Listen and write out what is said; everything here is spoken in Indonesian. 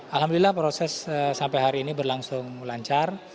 alhamdulillah proses sampai hari ini berlangsung lancar